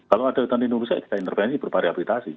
kalau ada hutan lindung besar kita intervensi berparehabilitasi